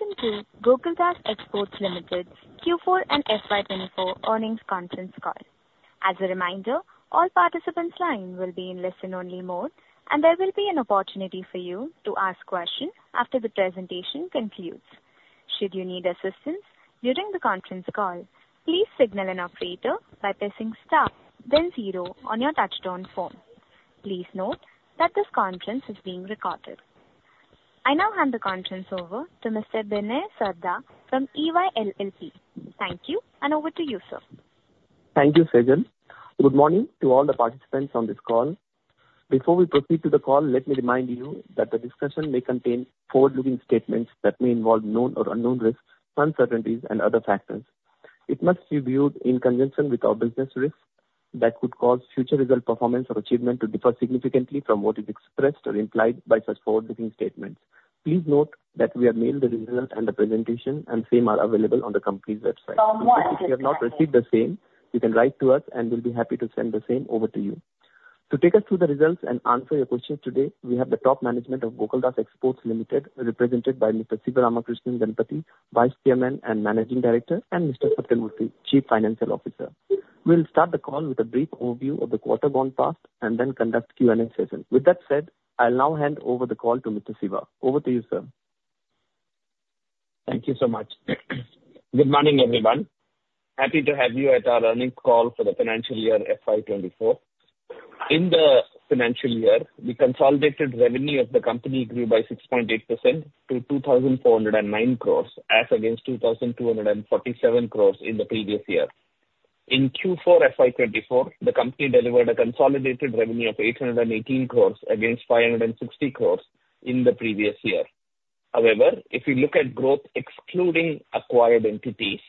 Welcome to Gokaldas Exports Limited's Q4 and FY 2024 earnings conference call. As a reminder, all participants' line will be in listen-only mode, and there will be an opportunity for you to ask questions after the presentation concludes. Should you need assistance during the conference call, please signal an operator by pressing star then zero on your touch-tone phone. Please note that this conference is being recorded. I now hand the conference over to Mr. Binay Sarda from EY LLP. Thank you, and over to you, sir. Thank you, Sejal. Good morning to all the participants on this call. Before we proceed to the call, let me remind you that the discussion may contain forward-looking statements that may involve known or unknown risks, uncertainties, and other factors. It must be viewed in conjunction with our business risks that could cause future result performance or achievement to differ significantly from what is expressed or implied by such forward-looking statements. Please note that we have mailed the results and the presentation, and the same are available on the company's website. If you have not received the same, you can write to us, and we'll be happy to send the same over to you. To take us through the results and answer your questions today, we have the top management of Gokaldas Exports Limited, represented by Mr. Sivaramakrishnan Ganapathi, Vice Chairman and Managing Director, and Mr. Sathyamurthy, Chief Financial Officer. We'll start the call with a brief overview of the quarter gone past and then conduct Q&A session. With that said, I'll now hand over the call to Mr. Siva. Over to you, sir. Thank you so much. Good morning, everyone. Happy to have you at our earnings call for the financial year FY 2024. In the financial year, the consolidated revenue of the company grew by 6.8% to 2,409 crore as against 2,247 crore in the previous year. In Q4 FY 2024, the company delivered a consolidated revenue of 818 crore against 560 crore in the previous year. However, if you look at growth excluding acquired entities,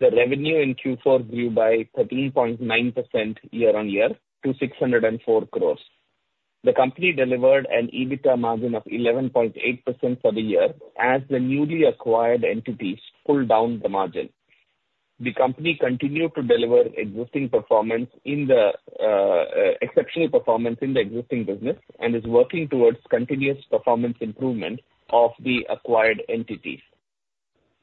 the revenue in Q4 grew by 13.9% year-on-year to 604 crore. The company delivered an EBITDA margin of 11.8% for the year as the newly acquired entities pulled down the margin. The company continued to deliver exceptional performance in the existing business and is working towards continuous performance improvement of the acquired entities.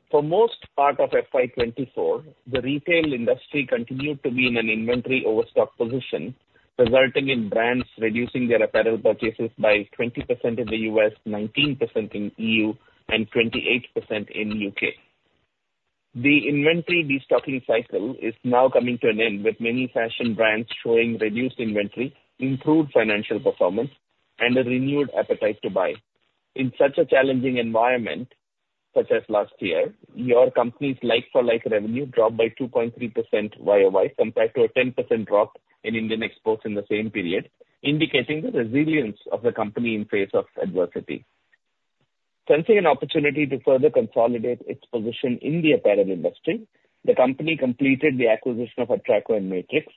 For most part of FY 2024, the retail industry continued to be in an inventory overstock position, resulting in brands reducing their apparel purchases by 20% in the U.S., 19% in the E.U., and 28% in the U.K. The inventory destocking cycle is now coming to an end, with many fashion brands showing reduced inventory, improved financial performance, and a renewed appetite to buy. In such a challenging environment such as last year, your company's like-for-like revenue dropped by 2.3% YoY compared to a 10% drop in Indian exports in the same period, indicating the resilience of the company in face of adversity. Sensing an opportunity to further consolidate its position in the apparel industry, the company completed the acquisition of Atraco and Matrix,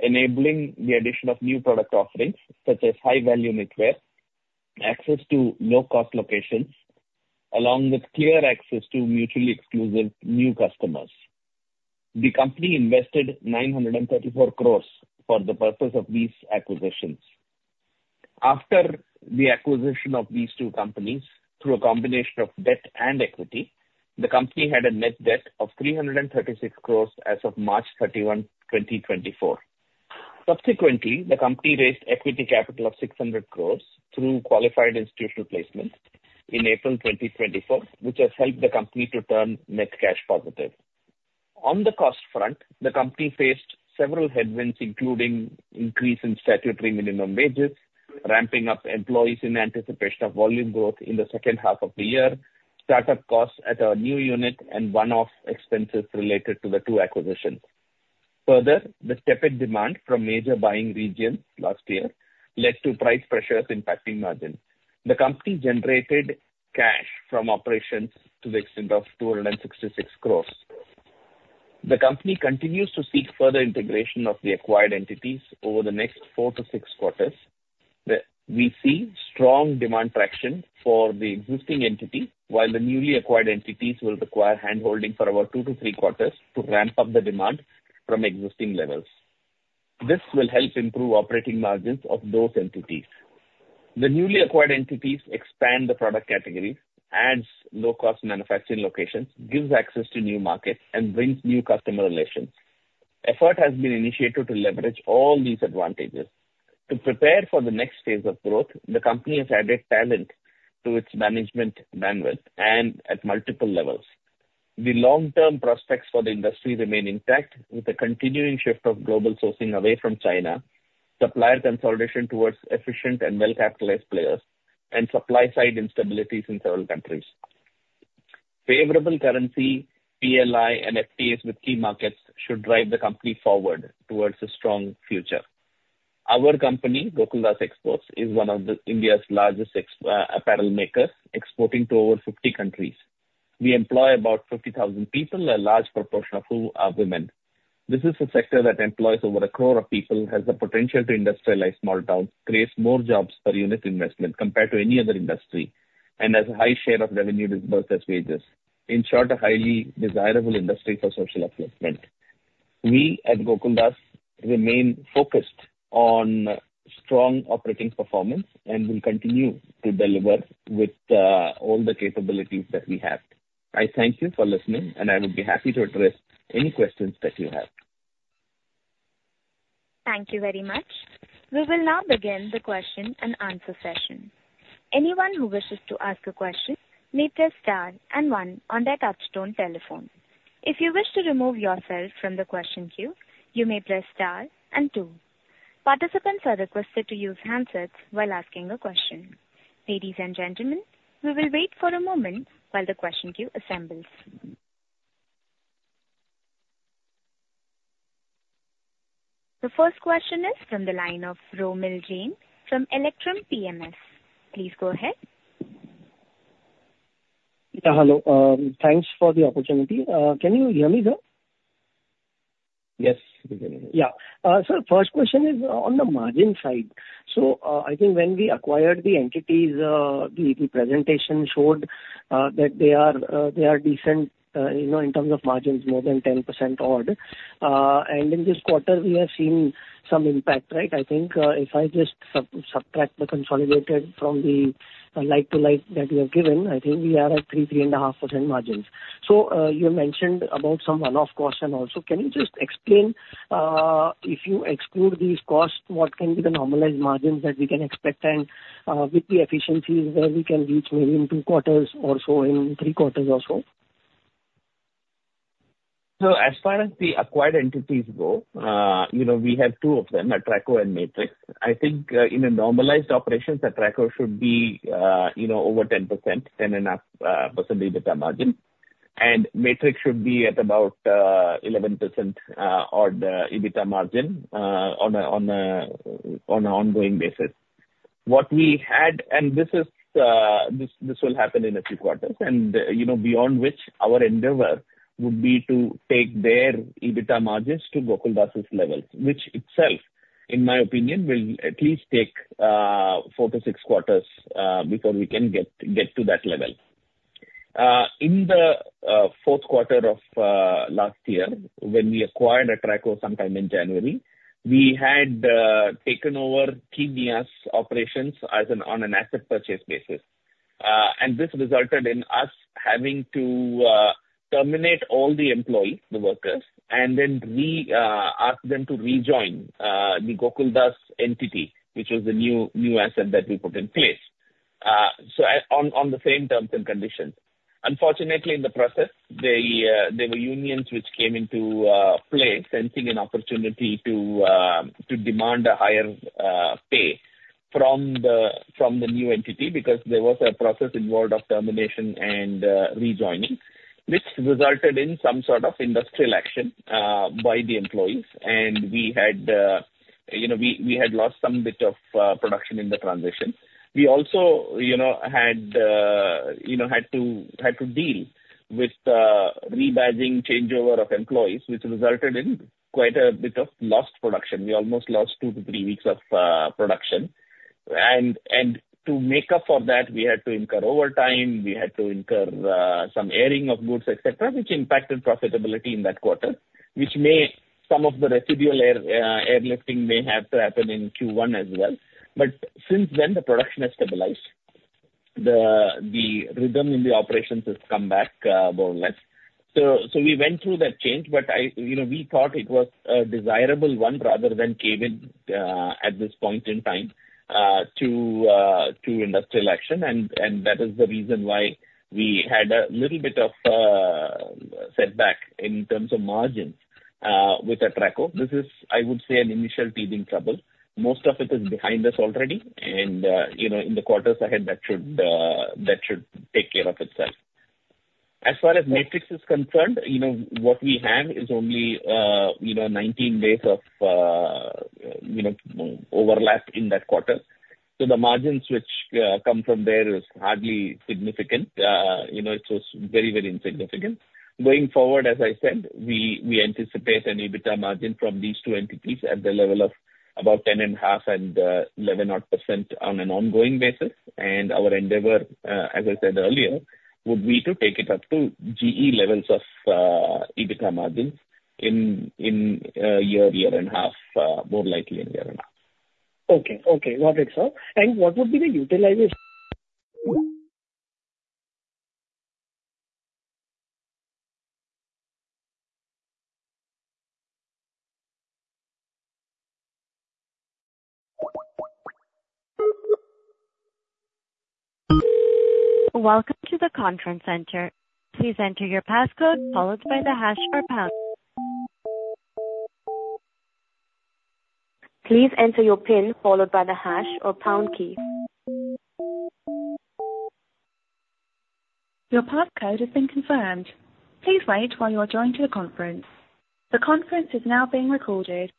enabling the addition of new product offerings such as high-volume knitwear, access to low-cost locations, along with clear access to mutually exclusive new customers. The company invested 934 crore for the purpose of these acquisitions. After the acquisition of these two companies through a combination of debt and equity, the company had a net debt of 336 crore as of March 31, 2024. Subsequently, the company raised equity capital of 600 crore through qualified institutional placements in April 2024, which has helped the company to turn net cash positive. On the cost front, the company faced several headwinds, including an increase in statutory minimum wages, ramping up employees in anticipation of volume growth in the second half of the year, startup costs at a new unit, and one-off expenses related to the two acquisitions. Further, the step-up in demand from major buying regions last year led to price pressures impacting margins. The company generated cash from operations to the extent of 266 crore. The company continues to seek further integration of the acquired entities over the next four to six quarters. We see strong demand traction for the existing entity, while the newly acquired entities will require handholding for about two to three quarters to ramp up the demand from existing levels. This will help improve operating margins of those entities. The newly acquired entities expand the product categories, add low-cost manufacturing locations, give access to new markets, and bring new customer relations. Effort has been initiated to leverage all these advantages. To prepare for the next phase of growth, the company has added talent to its management bandwidth and at multiple levels. The long-term prospects for the industry remain intact, with a continuing shift of global sourcing away from China, supplier consolidation towards efficient and well-capitalized players, and supply-side instabilities in several countries. Favorable currency, PLI, and FTAs with key markets should drive the company forward toward a strong future. Our company, Gokaldas Exports, is one of India's largest apparel makers, exporting to over 50 countries. We employ about 50,000 people, a large proportion of whom are women. This is a sector that employs over a crore of people, has the potential to industrialize small towns, creates more jobs per unit investment compared to any other industry, and has a high share of revenue that's both as wages. In short, a highly desirable industry for social employment. We at Gokaldas remain focused on strong operating performance and will continue to deliver with all the capabilities that we have. I thank you for listening, and I would be happy to address any questions that you have. Thank you very much. We will now begin the question and answer session. Anyone who wishes to ask a question may press star and one on their touch-tone telephone. If you wish to remove yourself from the question queue, you may press star and two. Participants are requested to use handsets while asking a question. Ladies and gentlemen, we will wait for a moment while the question queue assembles. The first question is from the line of Romil Jain from Electrum PMS. Please go ahead. Yeah, hello. Thanks for the opportunity. Can you hear me, sir? Yes, we can hear you. Yeah. Sir, first question is on the margin side. I think when we acquired the entities, the presentation showed that they are decent in terms of margins, more than 10% odd. In this quarter, we have seen some impact, right? I think if I just subtract the consolidated from the like-to-like that we have given, I think we are at 3%-3.5% margins. You mentioned about some one-off costs and also, can you just explain, if you exclude these costs, what can be the normalized margins that we can expect with the efficiencies where we can reach maybe in two quarters or so in three quarters or so? As far as the acquired entities go, we have two of them, Atraco and Matrix. I think in normalized operations, Atraco should be over 10%, 10.5% EBITDA margin. And Matrix should be at about 11% odd EBITDA margin on an ongoing basis. What we had, and this will happen in a few quarters, and beyond which, our endeavor would be to take their EBITDA margins to Gokaldas's levels, which itself, in my opinion, will at least take four to six quarters before we can get to that level. In the fourth quarter of last year, when we acquired Atraco sometime in January, we had taken over Kenya's operations on an asset purchase basis. This resulted in us having to terminate all the employees, the workers, and then ask them to rejoin the Gokaldas entity, which was the new asset that we put in place on the same terms and conditions. Unfortunately, in the process, there were unions which came into play sensing an opportunity to demand a higher pay from the new entity because there was a process involved of termination and rejoining, which resulted in some sort of industrial action by the employees. And we had lost some bit of production in the transition. We also had to deal with the rebadging changeover of employees, which resulted in quite a bit of lost production. We almost lost two to three weeks of production. And to make up for that, we had to incur overtime. We had to incur some air freighting of goods, etc., which impacted profitability in that quarter, which might mean some of the residual airlifting may have to happen in Q1 as well. But since then, the production has stabilized. The rhythm in the operations has come back, more or less. So we went through that change, but we thought it was a desirable one rather than cave in at this point in time to industrial action. And that is the reason why we had a little bit of setback in terms of margins with Atraco. This is, I would say, an initial teething trouble. Most of it is behind us already. And in the quarters ahead, that should take care of itself. As far as Matrix is concerned, what we have is only 19 days of overlap in that quarter. So the margins which come from there are hardly significant. It was very, very insignificant. Going forward, as I said, we anticipate an EBITDA margin from these two entities at the level of about 10.5%-11-odd percent on an ongoing basis. And our endeavor, as I said earlier, would be to take it up to GE levels of EBITDA margins in a year, year and a half, more likely in a year and a half. Okay. Okay. Got it, sir. And what would be the utilization Welcome to the conference center. Please enter your passcode followed by the hash or pound. Please enter your PIN followed by the hash or pound key. Your passcode has been confirmed. Please wait while you are joined to the conference. The conference is now being recorded.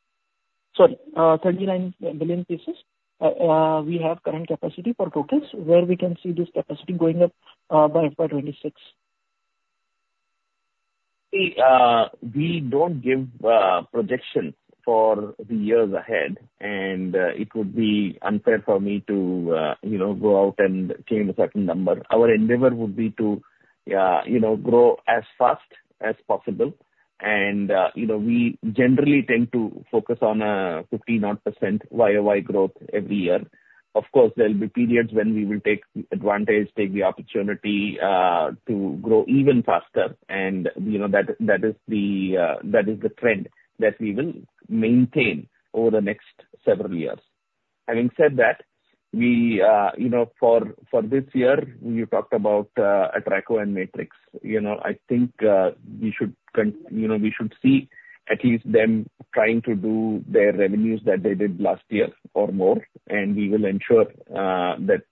Sorry. 39 billion pieces. We have current capacity for totals, where we can see this capacity going up by FY 2026. See, we don't give projections for the years ahead, and it would be unfair for me to go out and claim a certain number. Our endeavor would be to grow as fast as possible. We generally tend to focus on a 15-odd percent YoY growth every year. Of course, there will be periods when we will take advantage, take the opportunity to grow even faster. That is the trend that we will maintain over the next several years. Having said that, for this year, you talked about Atraco and Matrix. I think we should see at least them trying to do their revenues that they did last year or more. We will ensure that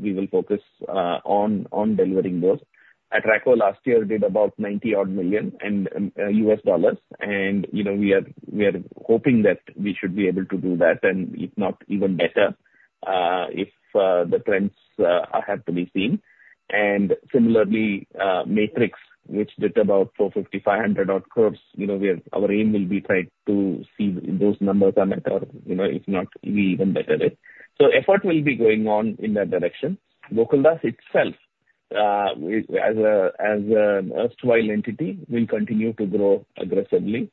we will focus on delivering those. Atraco last year did about $90-odd million. We are hoping that we should be able to do that, and if not, even better if the trends are happening to be seen. Similarly, Matrix, which did about 450 crore-500-odd crore, our aim will be to try to see if those numbers are met or if not, even better if. So effort will be going on in that direction. Gokaldas itself, as an erstwhile entity, will continue to grow aggressively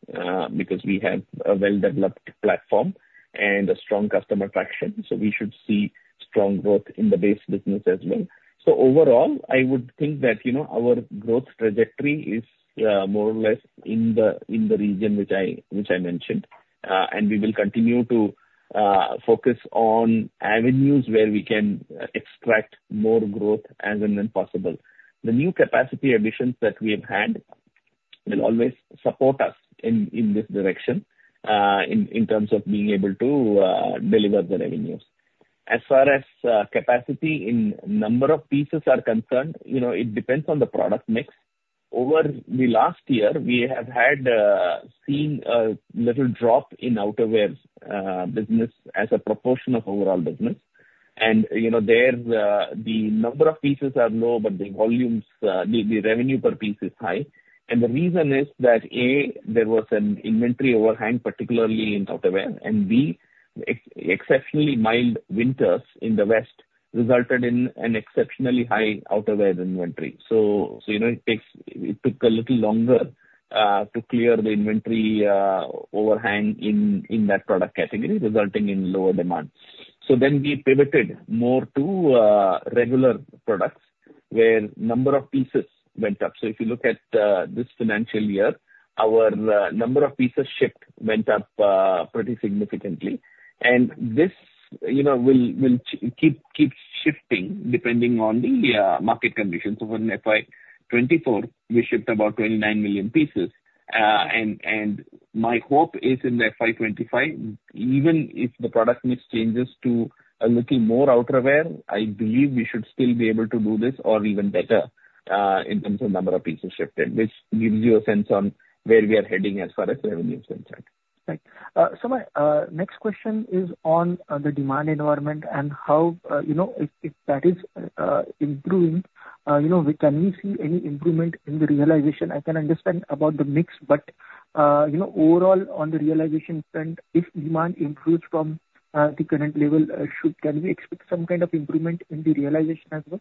because we have a well-developed platform and a strong customer traction. So we should see strong growth in the base business as well. Overall, I would think that our growth trajectory is more or less in the region which I mentioned. We will continue to focus on avenues where we can extract more growth as and when possible. The new capacity additions that we have had will always support us in this direction in terms of being able to deliver the revenues. As far as capacity in number of pieces are concerned, it depends on the product mix. Over the last year, we have seen a little drop in outerwear business as a proportion of overall business. There, the number of pieces are low, but the revenue per piece is high. The reason is that, A, there was an inventory overhang, particularly in outerwear, and B, exceptionally mild winters in the west resulted in an exceptionally high outerwear inventory. It took a little longer to clear the inventory overhang in that product category, resulting in lower demand. Then we pivoted more to regular products where number of pieces went up. So if you look at this financial year, our number of pieces shipped went up pretty significantly. And this will keep shifting depending on the market conditions. So when FY 2024, we shipped about 29 million pieces. And my hope is in FY 2025, even if the product mix changes to a little more outerwear, I believe we should still be able to do this or even better in terms of number of pieces shifted, which gives you a sense on where we are heading as far as revenues concerned. Right. So my next question is on the demand environment and how if that is improving, can we see any improvement in the realization? I can understand about the mix, but overall, on the realization front, if demand improves from the current level, can we expect some kind of improvement in the realization as well?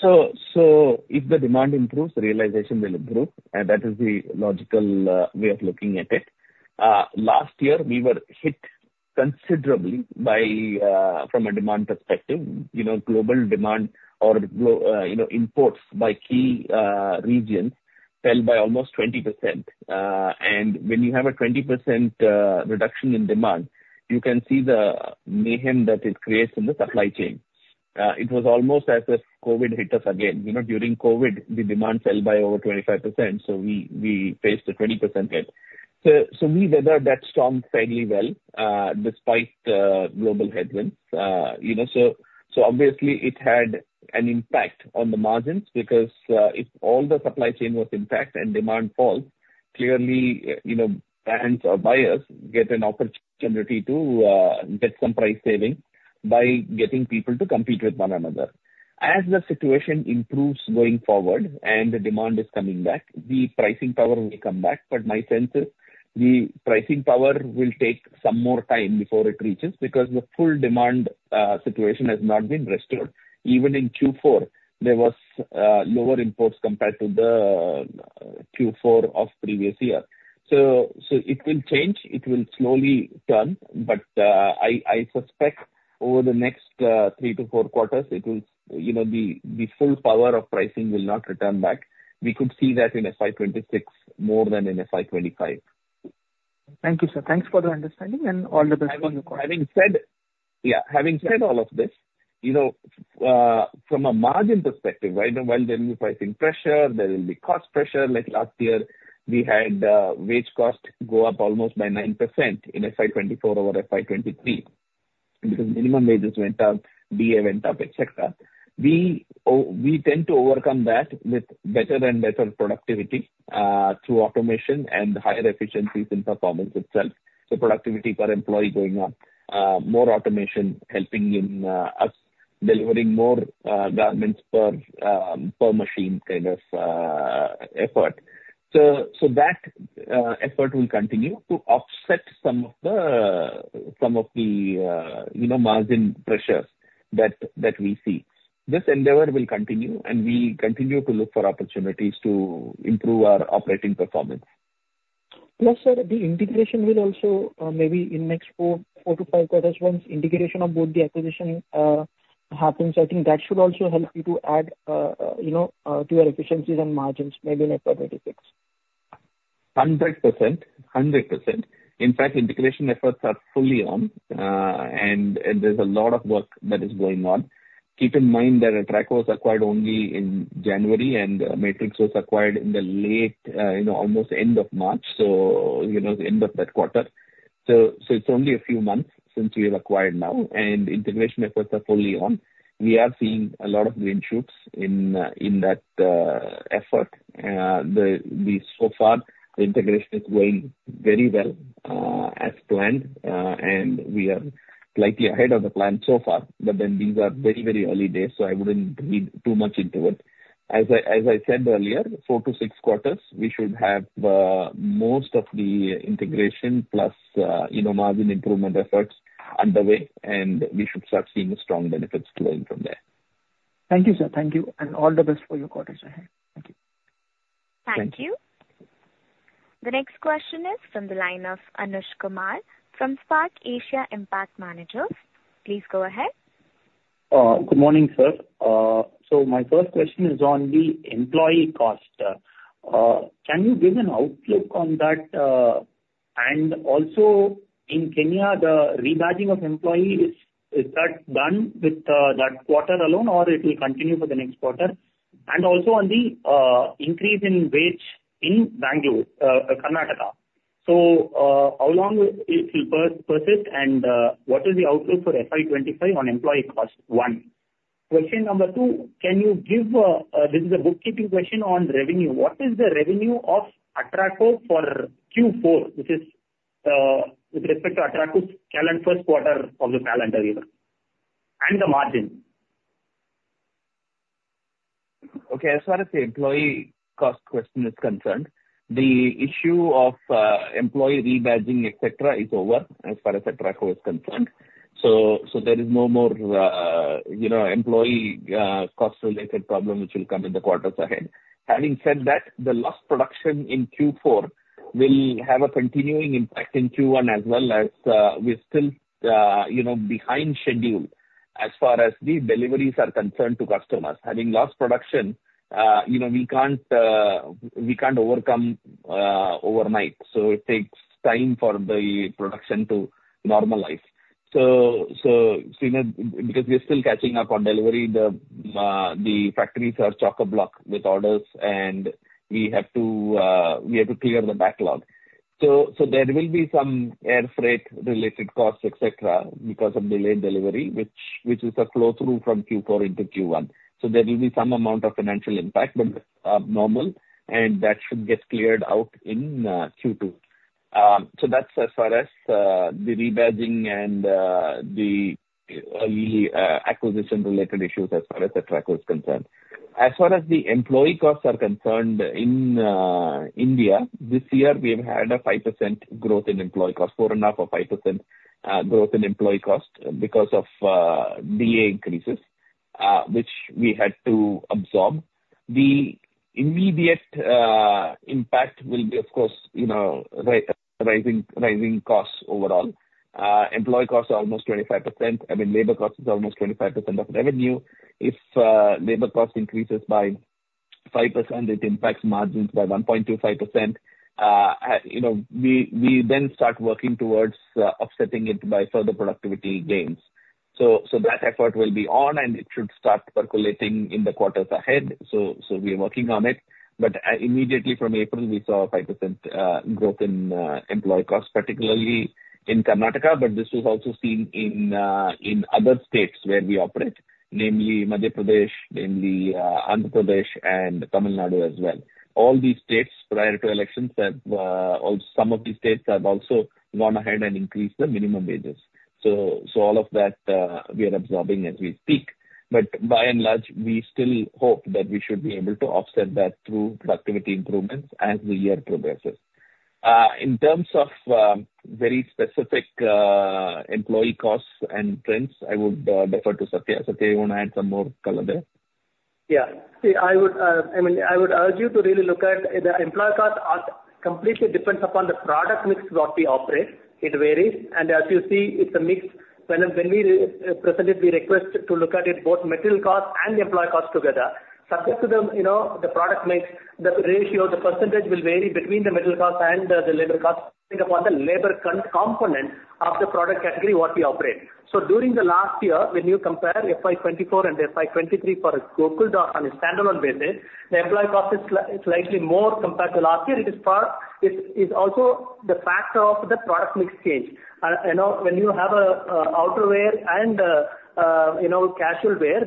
So if the demand improves, realization will improve. And that is the logical way of looking at it. Last year, we were hit considerably from a demand perspective. Global demand or imports by key regions fell by almost 20%. And when you have a 20% reduction in demand, you can see the mayhem that it creates in the supply chain. It was almost as if COVID hit us again. During COVID, the demand fell by over 25%. So we faced a 20% hit. So we weathered that storm fairly well despite global headwinds. So obviously, it had an impact on the margins because if all the supply chain was impacted and demand falls, clearly, brands or buyers get an opportunity to get some price saving by getting people to compete with one another. As the situation improves going forward and the demand is coming back, the pricing power will come back. But my sense is the pricing power will take some more time before it reaches because the full demand situation has not been restored. Even in Q4, there was lower imports compared to the Q4 of previous year. So it will change. It will slowly turn. But I suspect over the next three to four quarters, the full power of pricing will not return back. We could see that in FY 2026 more than in FY 2025. Thank you, sir. Thanks for the understanding and all the best for your quarter. Yeah. Having said all of this, from a margin perspective, right, while there will be pricing pressure, there will be cost pressure, like last year, we had wage cost go up almost by 9% in FY 2024 over FY 2023 because minimum wages went up, DA went up, etc. We tend to overcome that with better and better productivity through automation and higher efficiencies in performance itself. So productivity per employee going up, more automation helping in us delivering more garments per machine kind of effort. So that effort will continue to offset some of the margin pressures that we see. This endeavor will continue, and we continue to look for opportunities to improve our operating performance. Yes, sir. The integration will also maybe in next four to five quarters, once integration of both the acquisition happens, I think that should also help you to add to your efficiencies and margins, maybe in FY 2026. 100%. 100%. In fact, integration efforts are fully on, and there's a lot of work that is going on. Keep in mind that Atraco was acquired only in January, and Matrix was acquired in the late, almost end of March, so the end of that quarter. So it's only a few months since we have acquired now, and integration efforts are fully on. We are seeing a lot of green shoots in that effort. So far, the integration is going very well as planned, and we are slightly ahead of the plan so far. But then these are very, very early days, so I wouldn't read too much into it. As I said earlier, four to six quarters, we should have most of the integration plus margin improvement efforts underway, and we should start seeing strong benefits flowing from there. Thank you, sir. Thank you. All the best for your quarters ahead. Thank you. Thank you. The next question is from the line of Anush Kumar from Spark Asia Impact Managers. Please go ahead. Good morning, sir. So my first question is on the employee cost. Can you give an outlook on that? And also, in Kenya, the rebadging of employee, is that done with that quarter alone, or it will continue for the next quarter? And also on the increase in wage in Bangalore, Karnataka. So how long it will persist, and what is the outlook for FY 2025 on employee cost, one? Question number two, can you give this is a bookkeeping question on revenue. What is the revenue of Atraco for Q4, which is with respect to Atraco's calendar first quarter of the calendar year? And the margin? Okay. As far as the employee cost question is concerned, the issue of employee rebadging, etc., is over as far as Atraco is concerned. So there is no more employee cost-related problem which will come in the quarters ahead. Having said that, the lost production in Q4 will have a continuing impact in Q1 as well as we're still behind schedule as far as the deliveries are concerned to customers. Having lost production, we can't overcome overnight. So it takes time for the production to normalize. So because we're still catching up on delivery, the factories are chockablock with orders, and we have to clear the backlog. So there will be some air freight-related costs, etc., because of delayed delivery, which is a flow-through from Q4 into Q1. So there will be some amount of financial impact, but normal, and that should get cleared out in Q2. So that's as far as the rebadging and the early acquisition-related issues as far as Atraco is concerned. As far as the employee costs are concerned, in India, this year, we have had a 5% growth in employee cost, 4.5% or 5% growth in employee cost because of DA increases, which we had to absorb. The immediate impact will be, of course, rising costs overall. Employee costs are almost 25%. I mean, labor cost is almost 25% of revenue. If labor cost increases by 5%, it impacts margins by 1.25%. We then start working towards offsetting it by further productivity gains. So that effort will be on, and it should start percolating in the quarters ahead. So we are working on it. But immediately from April, we saw 5% growth in employee costs, particularly in Karnataka. But this was also seen in other states where we operate, namely Madhya Pradesh, namely Andhra Pradesh, and Tamil Nadu as well. All these states, prior to elections, have some of these states have also gone ahead and increased the minimum wages. So all of that, we are absorbing as we speak. But by and large, we still hope that we should be able to offset that through productivity improvements as the year progresses. In terms of very specific employee costs and trends, I would defer to Sathya. Sathya, you want to add some more color there? Yeah. See, I mean, I would urge you to really look at the employee costs. It completely depends upon the product mix what we operate. It varies. And as you see, it's a mix. When we present it, we request to look at it both material costs and employee costs together. Subject to the product mix, the ratio, the percentage will vary between the material costs and the labor costs depending upon the labor component of the product category what we operate. So during the last year, when you compare FY 2024 and FY 2023 for Gokaldas on a standalone basis, the employee cost is slightly more compared to last year. It is also the factor of the product mix change. When you have outerwear and casualwear,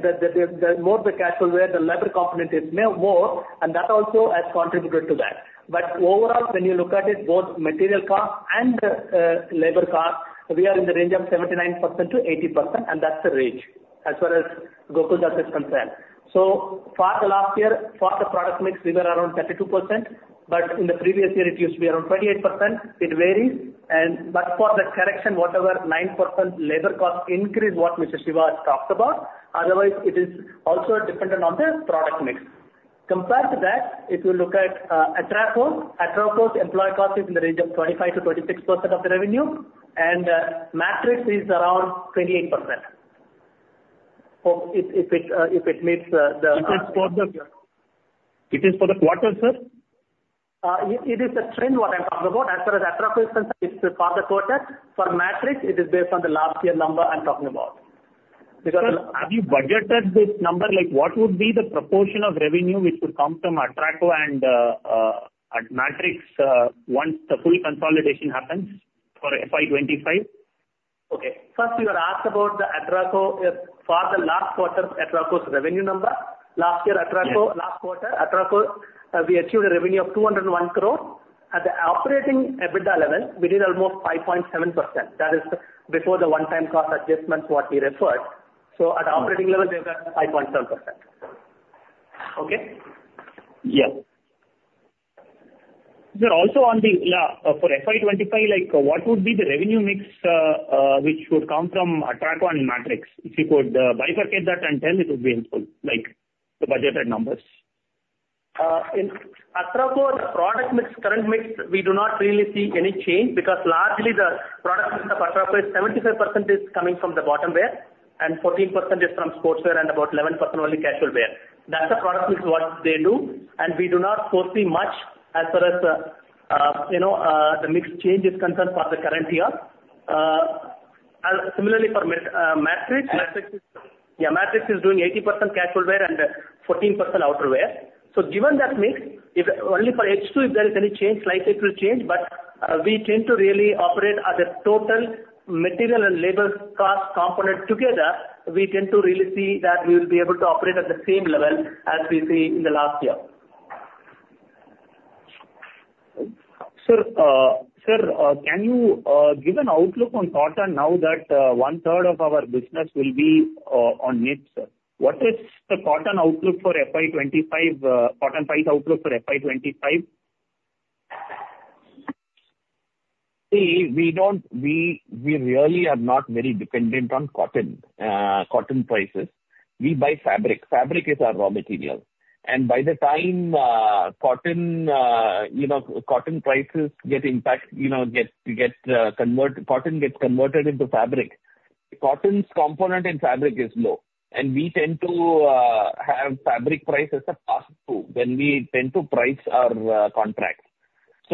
more of the casualwear, the labor component is more, and that also has contributed to that. But overall, when you look at it, both material cost and labor cost, we are in the range of 79%-80%, and that's the range as far as Gokaldas is concerned. So for the last year, for the product mix, we were around 32%. But in the previous year, it used to be around 28%. It varies. But for the correction, whatever, 9% labor cost increase what Mr. Siva talked about. Otherwise, it is also dependent on the product mix. Compared to that, if you look at Atraco, Atraco's employee cost is in the range of 25%-26% of the revenue, and Matrix is around 28% if it meets the. It is for the quarters, sir? It is a trend what I'm talking about. As far as Atraco is concerned, it's for the quarter. For Matrix, it is based on the last year number I'm talking about. Because. Have you budgeted this number? What would be the proportion of revenue which would come from Atraco and Matrix once the full consolidation happens for FY 2025? Okay. First, we were asked about the Atraco. For the last quarter, Atraco's revenue number, last year, Atraco, last quarter, Atraco, we achieved a revenue of 201 crore. At the operating EBITDA level, we did almost 5.7%. That is before the one-time cost adjustments what we referred. So at operating level, we have got 5.7%. Okay? Yes. Sir, also on the for FY 2025, what would be the revenue mix which would come from Atraco and Matrix? If you could bifurcate that and tell, it would be helpful, the budgeted numbers. In Atraco, the product mix, current mix, we do not really see any change because largely, the product mix of Atraco is 75% is coming from the bottom wear, and 14% is from sportswear, and about 11% only casual wear. That's the product mix what they do. And we do not foresee much as far as the mix change is concerned for the current year. Similarly, for Matrix. Matrix? Yeah. Matrix is doing 80% casualwear and 14% outerwear. So given that mix, only for H2, if there is any change, slightly it will change. But we tend to really operate at the total material and labor cost component together. We tend to really see that we will be able to operate at the same level as we see in the last year. Sir, can you give an outlook on cotton now that 1/3 of our business will be on knit, sir? What is the cotton outlook for FY 2025, cotton price outlook for FY 2025? See, we really are not very dependent on cotton prices. We buy fabric. Fabric is our raw material. By the time cotton prices get impacted, cotton gets converted into fabric. Cotton's component in fabric is low. We tend to have fabric prices pass through. We tend to price our contracts.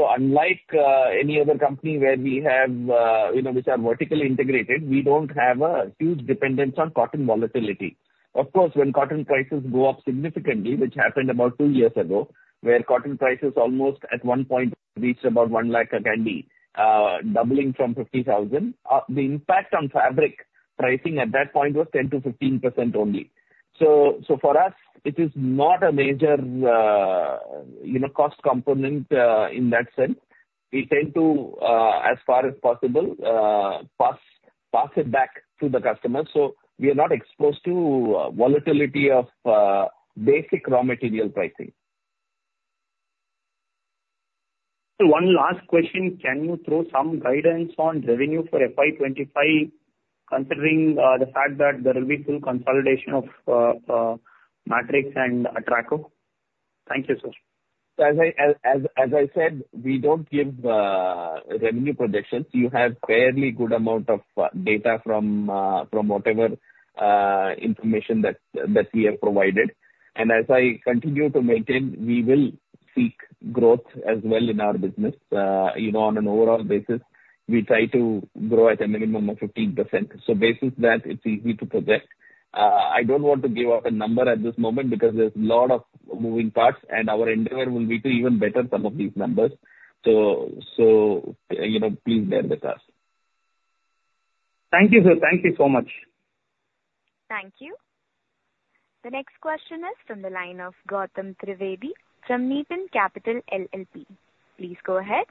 Unlike any other company where we have which are vertically integrated, we don't have a huge dependence on cotton volatility. Of course, when cotton prices go up significantly, which happened about two years ago, where cotton prices almost at one point reached about 1 lakh a candy, doubling from 50,000, the impact on fabric pricing at that point was 10%-15% only. For us, it is not a major cost component in that sense. We tend to, as far as possible, pass it back to the customers. We are not exposed to volatility of basic raw material pricing. Sir, one last question. Can you throw some guidance on revenue for FY 2025 considering the fact that there will be full consolidation of Matrix and Atraco? Thank you, sir. As I said, we don't give revenue projections. You have fairly good amount of data from whatever information that we have provided. And as I continue to maintain, we will seek growth as well in our business. On an overall basis, we try to grow at a minimum of 15%. So based on that, it's easy to project. I don't want to give out a number at this moment because there's a lot of moving parts, and our endeavor will be to even better some of these numbers. So please bear with us. Thank you, sir. Thank you so much. Thank you. The next question is from the line of Gautam Trivedi from Nepean Capital LLP. Please go ahead.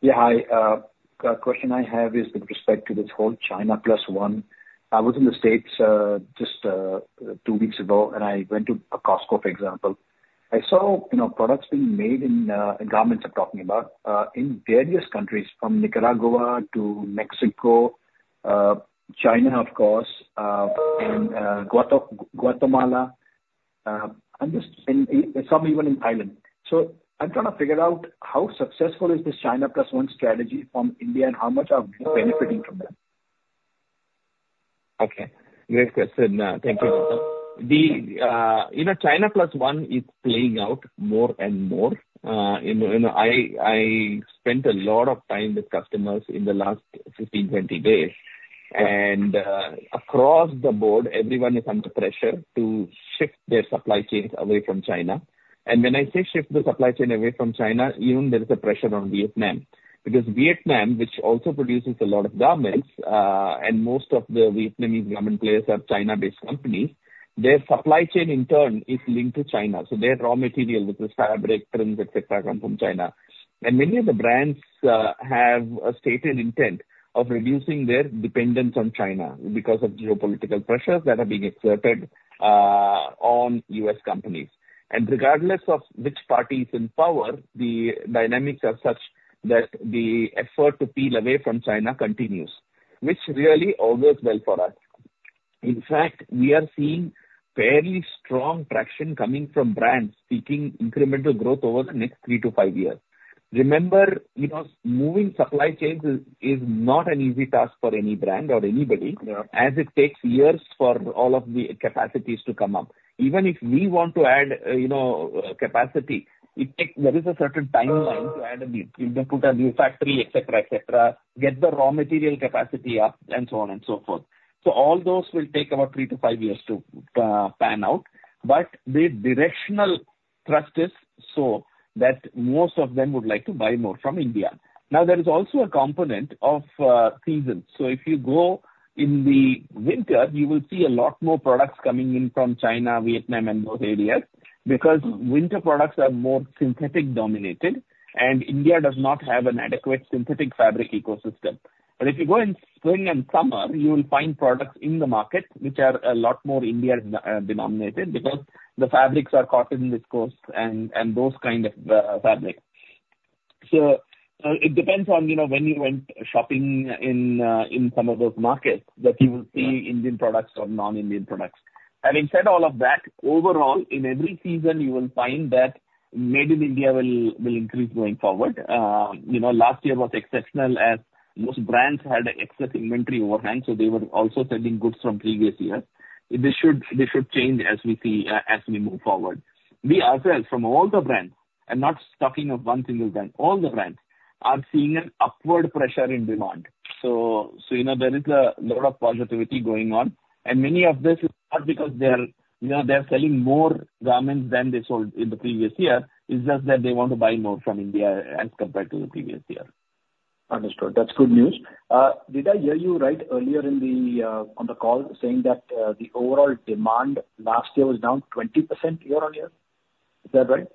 Yeah. Hi. The question I have is with respect to this China + 1. I was in the States just two weeks ago, and I went to a Costco, for example. I saw products being made in garments I'm talking about in various countries from Nicaragua to Mexico, China, of course, and Guatemala, and some even in Thailand. So I'm trying to figure out how successful is this China + 1 strategy from India and how much are we benefiting from them? Okay. Great question. Thank you, China + 1 is playing out more and more. I spent a lot of time with customers in the last 15-20 days. Across the board, everyone is under pressure to shift their supply chains away from China. When I say shift the supply chain away from China, even there is a pressure on Vietnam because Vietnam, which also produces a lot of garments and most of the Vietnamese garment players are China-based companies, their supply chain, in turn, is linked to China. Their raw material, which is fabric, prints, etc., come from China. Many of the brands have a stated intent of reducing their dependence on China because of geopolitical pressures that are being exerted on U.S. companies. Regardless of which party is in power, the dynamics are such that the effort to peel away from China continues, which really augurs well for us. In fact, we are seeing fairly strong traction coming from brands seeking incremental growth over the next three to five years. Remember, moving supply chains is not an easy task for any brand or anybody as it takes years for all of the capacities to come up. Even if we want to add capacity, there is a certain timeline to put a new factory, etc., etc., get the raw material capacity up, and so on and so forth. So all those will take about three to five years to pan out. But the directional thrust is so that most of them would like to buy more from India. Now, there is also a component of season. So if you go in the winter, you will see a lot more products coming in from China, Vietnam, and those areas because winter products are more synthetic-dominated, and India does not have an adequate synthetic fabric ecosystem. But if you go in spring and summer, you will find products in the market which are a lot more India-dominated because the fabrics are cotton viscose and those kinds of fabrics. So it depends on when you went shopping in some of those markets that you will see Indian products or non-Indian products. Having said all of that, overall, in every season, you will find that made in India will increase going forward. Last year was exceptional as most brands had excess inventory overhang, so they were also sending goods from previous years. This should change as we see as we move forward. We ourselves, from all the brands, and not talking of one single brand, all the brands are seeing an upward pressure in demand. So there is a lot of positivity going on. And many of this is not because they're selling more garments than they sold in the previous year. It's just that they want to buy more from India as compared to the previous year. Understood. That's good news. Did I hear you right earlier on the call saying that the overall demand last year was down 20% year-on-year? Is that right?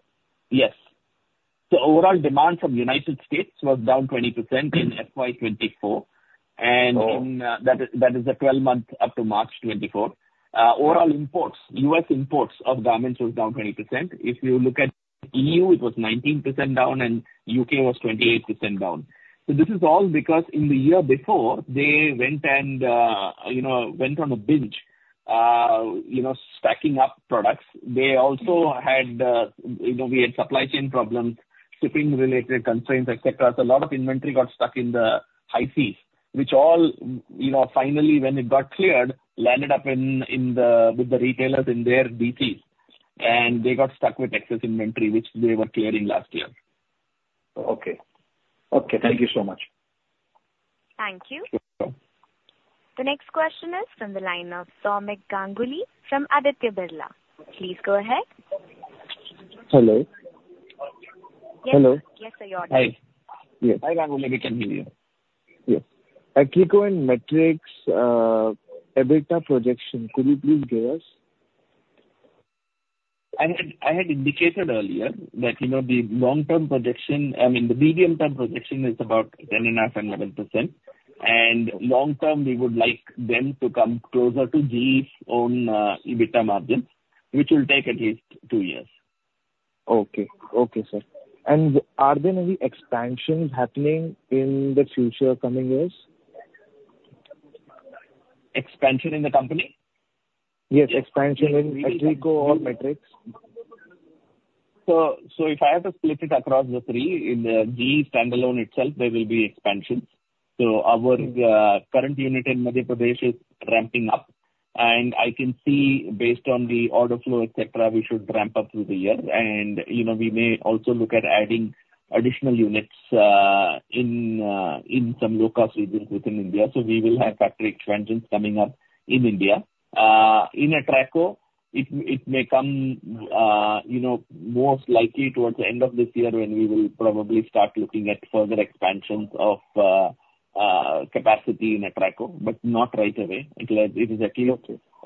Yes. So overall demand from the U.S. was down 20% in FY 2024. And that is the 12-month up to March 2024. Overall imports, U.S. imports of garments was down 20%. If you look at E.U., it was 19% down, and U.K. was 28% down. So this is all because in the year before, they went and went on a binge, stacking up products. They also had we had supply chain problems, shipping-related constraints, etc. So a lot of inventory got stuck in the high seas, which all finally, when it got cleared, landed up with the retailers in their DC. And they got stuck with excess inventory, which they were clearing last year. Okay. Okay. Thank you so much. Thank you. The next question is from the line of Shoumik Ganguly from Aditya Birla. Please go ahead. Hello. Hello. Yes, sir. You're on. Hi. Yes. Hi, Ganguly. We can hear you. Yes. At Atraco and Matrix, EBITDA projection, could you please give us? I had indicated earlier that the long-term projection I mean, the medium-term projection is about 10.5%-11%. Long-term, we would like them to come closer to GE's own EBITDA margins, which will take at least two years. Okay. Okay, sir. Are there any expansions happening in the future, coming years? Expansion in the company? Yes. Expansion in Atraco or Matrix? So if I have to split it across the three, in the GE standalone itself, there will be expansions. So our current unit in Madhya Pradesh is ramping up. And I can see, based on the order flow, etc., we should ramp up through the year. And we may also look at adding additional units in some low-cost regions within India. So we will have factory expansions coming up in India. In Atraco, it may come most likely towards the end of this year when we will probably start looking at further expansions of capacity in Atraco, but not right away. It is actually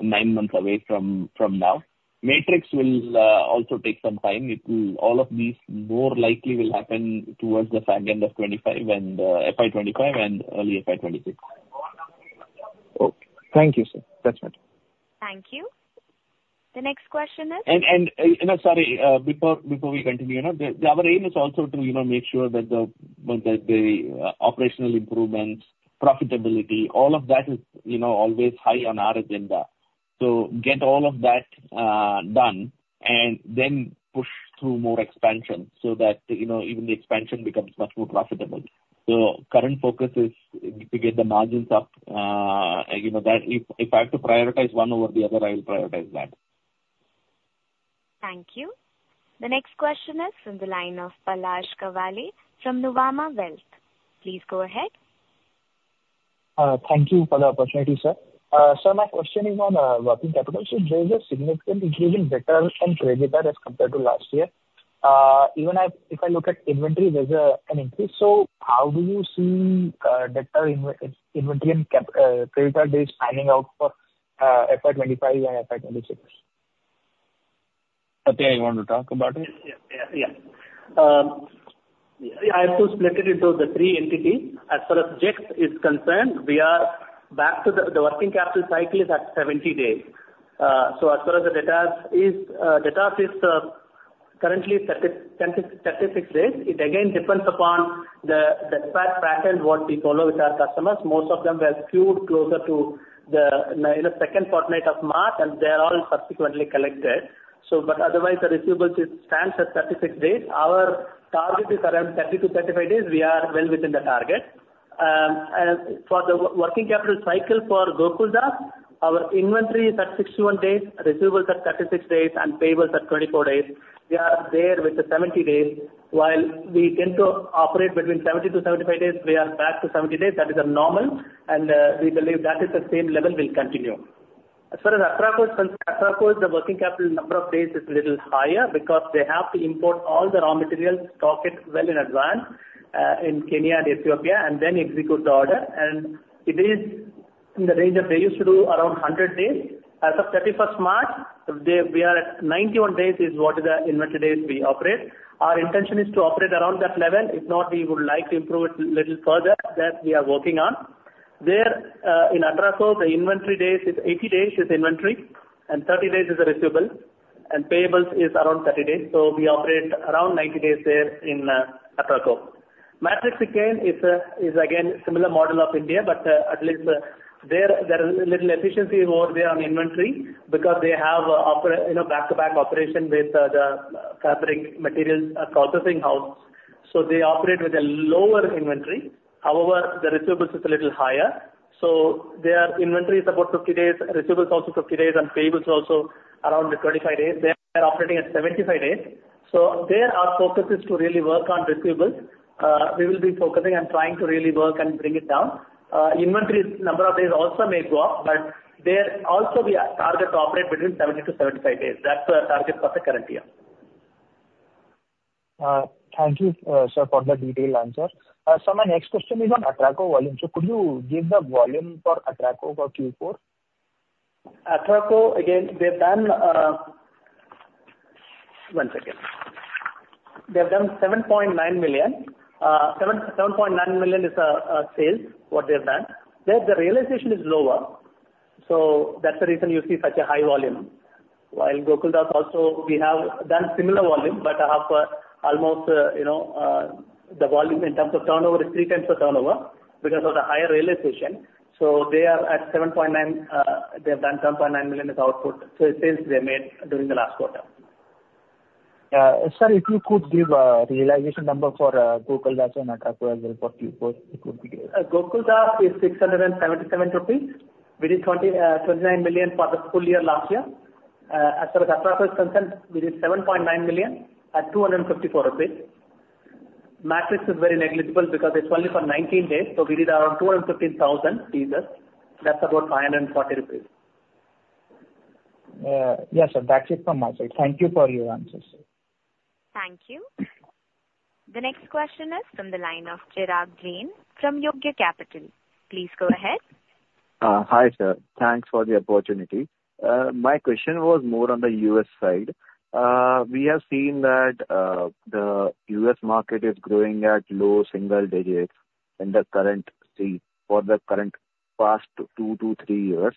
nine months away from now. Matrix will also take some time. All of these more likely will happen towards the end of FY 2025 and early FY 2026. Okay. Thank you, sir. That's it. Thank you. The next question is. And sorry, before we continue, our aim is also to make sure that the operational improvements, profitability, all of that is always high on our agenda. So get all of that done and then push through more expansion so that even the expansion becomes much more profitable. So current focus is to get the margins up. If I have to prioritize one over the other, I will prioritize that. Thank you. The next question is from the line of Palash Kawale from Nuvama Wealth. Please go ahead. Thank you for the opportunity, sir. Sir, my question is on working capital. There's a significant increase in debtor and creditor as compared to last year. Even if I look at inventory, there's an increase. How do you see debtor, inventory, and creditor days panning out for FY 2025 and FY 2026? Sathya, you want to talk about it? Yeah. Yeah. Yeah. Yeah. I have to split it into the three entities. As far as GEX is concerned, we are back to the working capital cycle is at 70 days. So as far as the details is, the details is currently 36 days. It again depends upon the fact pattern what we follow with our customers. Most of them were due closer to the second fortnight of March, and they are all subsequently collected. But otherwise, the receivables stands at 36 days. Our target is around 30-35 days. We are well within the target. For the working capital cycle for Gokaldas, our inventory is at 61 days, receivables at 36 days, and payables at 24 days. We are there with the 70 days. While we tend to operate between 70-75 days, we are back to 70 days. That is normal. We believe that is the same level will continue. As far as Atraco, the working capital number of days is a little higher because they have to import all the raw materials, stock it well in advance in Kenya and Ethiopia, and then execute the order. It is in the range of they used to do around 100 days. As of 31st March, we are at 91 days is what the inventory days we operate. Our intention is to operate around that level. If not, we would like to improve it a little further. That we are working on. There in Atraco, the inventory days is 80 days is inventory, and 30 days is the receivables. Payables is around 30 days. So we operate around 90 days there in Atraco. Matrix, again, is again a similar model of India, but at least there is a little efficiency over there on inventory because they have back-to-back operation with the fabric materials processing house. So they operate with a lower inventory. However, the receivables is a little higher. So their inventory is about 50 days, receivables also 50 days, and payables also around the 25 days. They are operating at 75 days. So there are focuses to really work on receivables. We will be focusing and trying to really work and bring it down. Inventory, number of days also may go up, but there also we target to operate between 70-75 days. That's our target for the current year. Thank you, sir, for the detailed answer. Sir, my next question is on Atraco volume. So could you give the volume for Atraco for Q4? Atraco, again, they've done one second. They've done 7.9 million. 7.9 million is a sale, what they've done. There, the realization is lower. So that's the reason you see such a high volume. While Gokaldas also, we have done similar volume, but I have almost the volume in terms of turnover is three times the turnover because of the higher realization. So they are at 7.9 million. They have done 7.9 million as output. So it's sales they made during the last quarter. Sir, if you could give a realization number for Gokaldas and Atraco as well for Q4, it would be great. Gokaldas is INR 677 crore, which is 29 million crore for the full year last year. As far as Atraco is concerned, we did 7.9 million crore at 254 rupees. Matrix is very negligible because it's only for 19 days. So we did around 215,000 pieces. That's about 540 rupees. Yes, sir. That's it from my side. Thank you for your answers, sir. Thank you. The next question is from the line of Chirag Jain from Yogya Capital. Please go ahead. Hi, sir. Thanks for the opportunity. My question was more on the U.S. side. We have seen that the U.S. market is growing at low single digits in the current scenario for the past two to three years.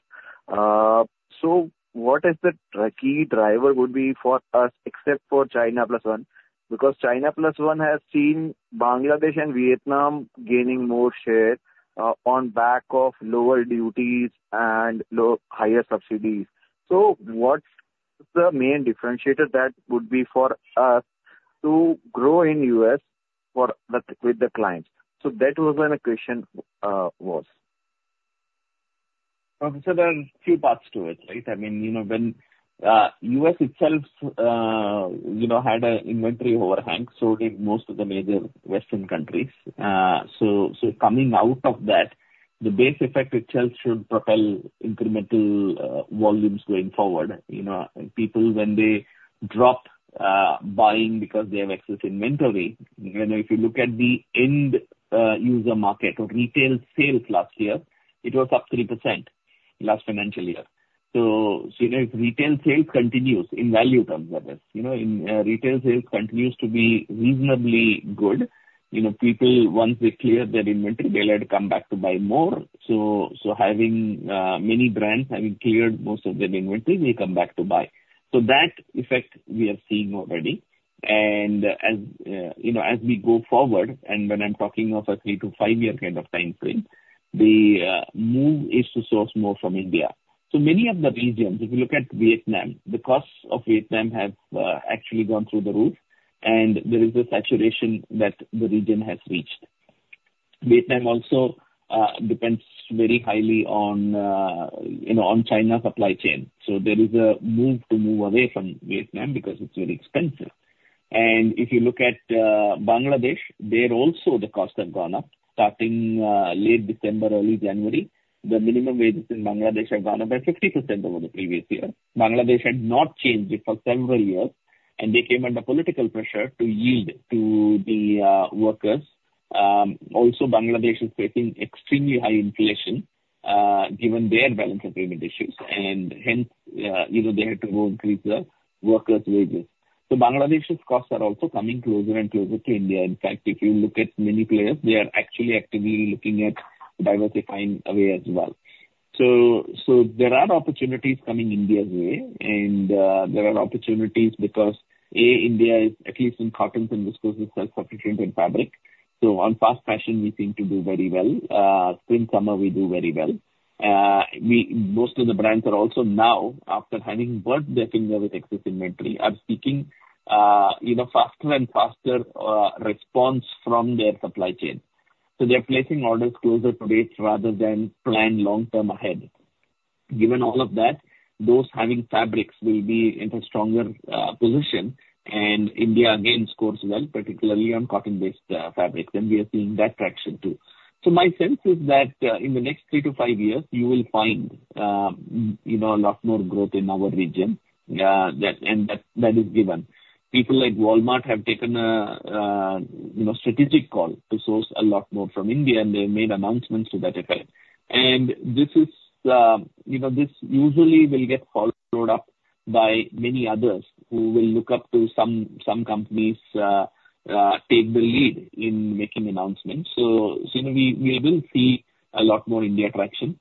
So what is the key driver would be for us except for China + 1? Because China + 1 has seen Bangladesh and Vietnam gaining more share on back of lower duties and higher subsidies. So what's the main differentiator that would be for us to grow in U.S. with the clients? So that was when the question was. Okay. So there are a few parts to it, right? I mean, when U.S. itself had an inventory overhang, so did most of the major Western countries. So coming out of that, the base effect itself should propel incremental volumes going forward. People, when they drop buying because they have excess inventory, if you look at the end-user market or retail sales last year, it was up 3% last financial year. So if retail sales continues in value terms, that is, if retail sales continues to be reasonably good, people, once they clear their inventory, they'll come back to buy more. So having many brands having cleared most of their inventory, they come back to buy. So that effect we are seeing already. And as we go forward, and when I'm talking of a three to five-year kind of time frame, the move is to source more from India. So many of the regions, if you look at Vietnam, the costs of Vietnam have actually gone through the roof, and there is a saturation that the region has reached. Vietnam also depends very highly on China's supply chain. So there is a move to move away from Vietnam because it's very expensive. And if you look at Bangladesh, there also, the costs have gone up. Starting late December, early January, the minimum wages in Bangladesh have gone up by 50% over the previous year. Bangladesh had not changed it for several years, and they came under political pressure to yield to the workers. Also, Bangladesh is facing extremely high inflation given their balance of payment issues. And hence, they had to go increase the workers' wages. So Bangladesh's costs are also coming closer and closer to India. In fact, if you look at many players, they are actually actively looking at diversifying away as well. So there are opportunities coming India's way. And there are opportunities because, A, India is at least in cottons and viscoses, self-sufficient in fabric. So on fast fashion, we seem to do very well. Spring-summer, we do very well. Most of the brands are also now, after having burnt their finger with excess inventory, are seeking faster and faster response from their supply chain. So they're placing orders closer to base rather than plan long-term ahead. Given all of that, those having fabrics will be in a stronger position. And India, again, scores well, particularly on cotton-based fabrics. And we are seeing that traction too. So my sense is that in the next three to five years, you will find a lot more growth in our region. And that is given. People like Walmart have taken a strategic call to source a lot more from India, and they have made announcements to that effect. This usually will get followed up by many others who will look up to some companies, take the lead in making announcements. We will see a lot more India traction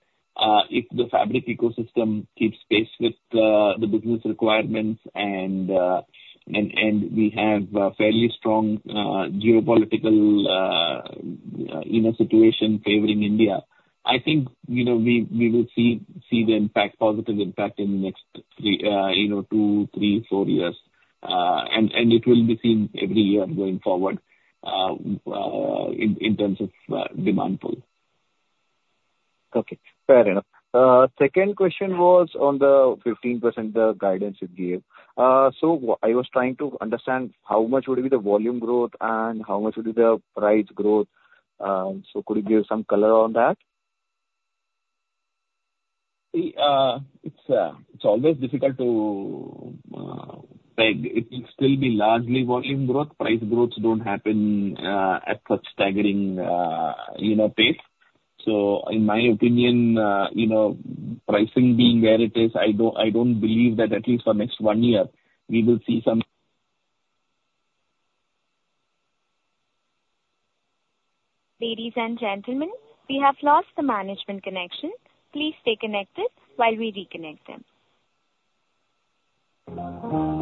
if the fabric ecosystem keeps pace with the business requirements and we have a fairly strong geopolitical situation favoring India. I think we will see the positive impact in the next two, three, four years. It will be seen every year going forward in terms of demand pull. Okay. Fair enough. Second question was on the 15% guidance you gave. So I was trying to understand how much would be the volume growth and how much would be the price growth? So could you give some color on that? It's always difficult to peg. It will still be largely volume growth. Price growths don't happen at such staggering pace. So in my opinion, pricing being where it is, I don't believe that at least for next one year, we will see some Ladies and gentlemen, we have lost the management connection. Please stay connected while we reconnect them.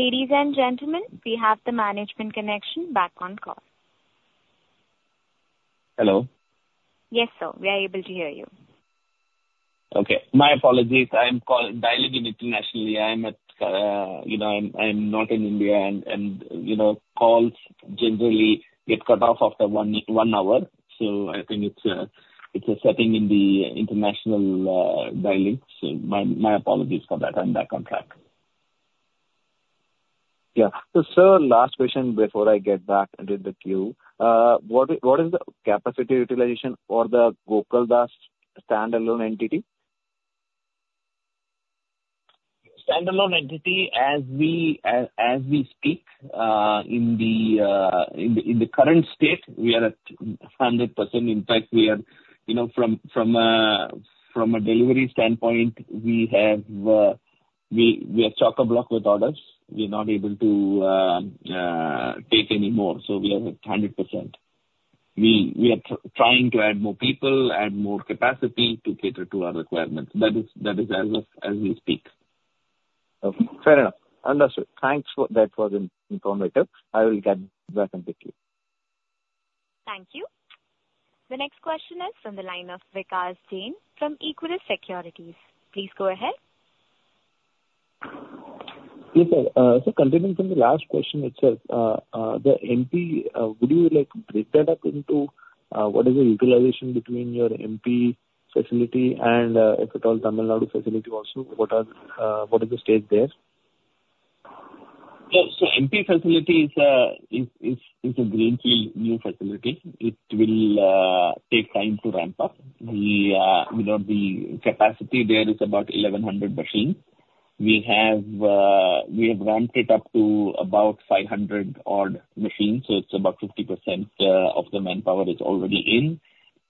Ladies and gentlemen, we have the management connection back on call. Hello? Yes, sir. We are able to hear you. Okay. My apologies. I'm dialing in internationally. I'm not in India, and calls generally get cut off after one hour. So I think it's a setting in the international dialing. So my apologies for that. I'm back on track. Yeah. So, sir, last question before I get back into the queue. What is the capacity utilization for the Gokaldas standalone entity? Standalone entity, as we speak, in the current state, we are at 100%. In fact, we are from a delivery standpoint, we are chockablock with orders. We're not able to take any more. We are at 100%. We are trying to add more people, add more capacity to cater to our requirements. That is as of as we speak. Okay. Fair enough. Understood. Thanks for that was informative. I will get back into the queue. Thank you. The next question is from the line of Vikas Jain from Equirus Securities. Please go ahead. Yes, sir. Sir, continuing from the last question itself, the MP, would you break that up into what is the utilization between your MP facility and, if at all, Tamil Nadu facility also? What is the stage there? So, MP facility is a greenfield new facility. It will take time to ramp up. The capacity there is about 1,100 machines. We have ramped it up to about 500-odd machines. So it's about 50% of the manpower is already in.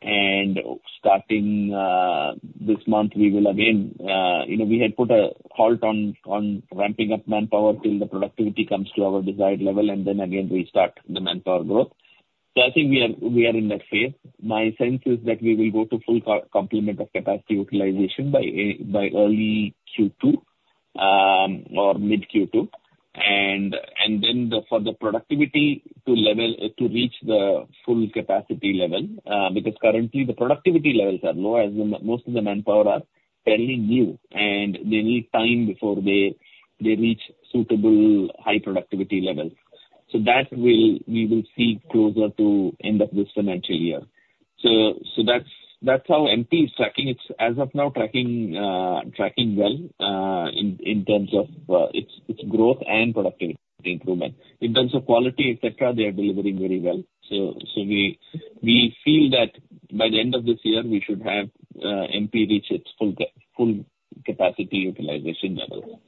And starting this month, we will again we had put a halt on ramping up manpower till the productivity comes to our desired level, and then again, restart the manpower growth. So I think we are in that phase. My sense is that we will go to full complement of capacity utilization by early Q2 or mid-Q2. And then for the productivity to reach the full capacity level because currently, the productivity levels are low as most of the manpower are fairly new, and they need time before they reach suitable high productivity levels. So that we will see closer to end of this financial year. So that's how MP is tracking. It's, as of now, tracking well in terms of its growth and productivity improvement. In terms of quality, etc., they are delivering very well. So we feel that by the end of this year, we should have MP reach its full capacity utilization levels.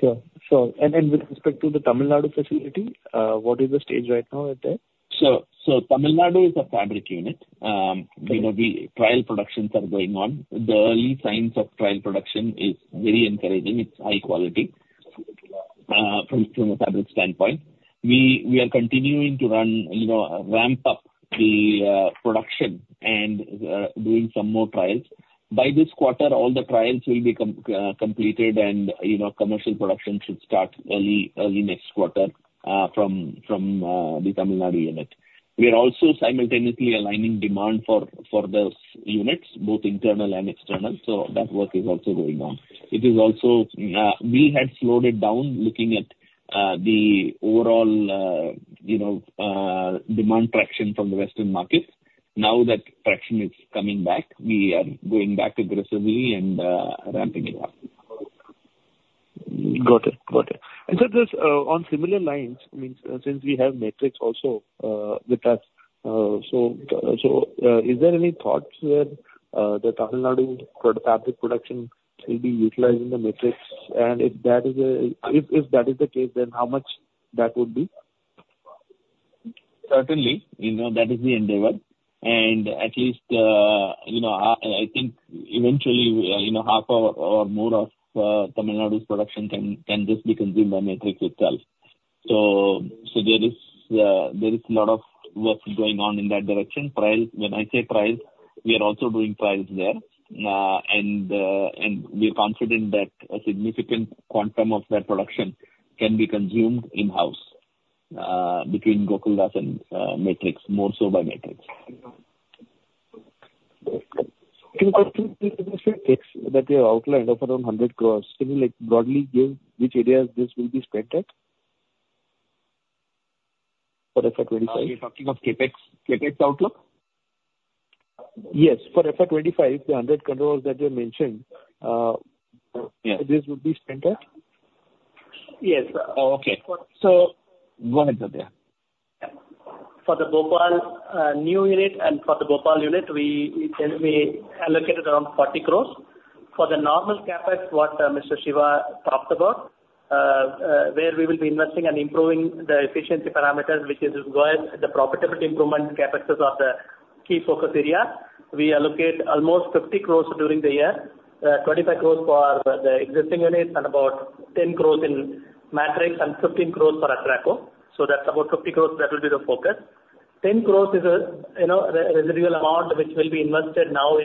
Sure. Sure. With respect to the Tamil Nadu facility, what is the stage right now at there? So, Tamil Nadu is a fabric unit. Trial productions are going on. The early signs of trial production is very encouraging. It's high quality from a fabric standpoint. We are continuing to ramp up the production and doing some more trials. By this quarter, all the trials will be completed, and commercial production should start early next quarter from the Tamil Nadu unit. We are also simultaneously aligning demand for those units, both internal and external. So that work is also going on. It is also we had slowed it down looking at the overall demand traction from the Western markets. Now that traction is coming back, we are going back aggressively and ramping it up. Got it. Got it. Sir, on similar lines, I mean, since we have Matrix also with us, so is there any thoughts where the Tamil Nadu fabric production will be utilizing the Matrix? And if that is the case, then how much that would be? Certainly, that is the endeavor. And at least, I think eventually, half or more of Tamil Nadu's production can just be consumed by Matrix itself. So there is a lot of work going on in that direction. When I say trials, we are also doing trials there. And we are confident that a significant quantum of that production can be consumed in-house between Gokaldas and Matrix, more so by Matrix. Can you quantify the statistics that you have outlined of around 100 crore? Can you broadly give which areas this will be spread at for FY 2025? Are you talking of CapEx? CapEx outlook? Yes. For FY 2025, the 100 crores that you mentioned, this would be spent at? Yes. Oh, okay. So. Go ahead, Satya. For the Bhopal new unit and for the Bhopal unit, we allocated around 40 crore. For the normal CapEx, what Mr. Siva talked about, where we will be investing and improving the efficiency parameters, which is the profitability improvement CapExes are the key focus areas, we allocate almost 50 crore during the year, 25 crore for the existing units, and about 10 crore in Matrix and 15 crore for Atraco. So that's about 50 crore that will be the focus. 10 crore is a residual amount which will be invested now